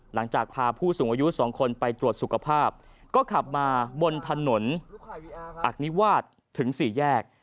หลังจากพาผู้สูงอายุ๒คนไปตรวจสุขภาพก็ขับมาบนถนนอักนิวาสถึงสี่แยก